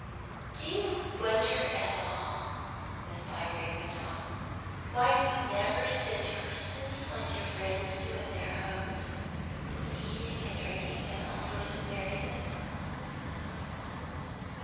"Do you wonder at all," Miss Bygrave went on, "why we never spend Christmas like your friends do in their homes, with eating and drinking and all sorts of merriment?"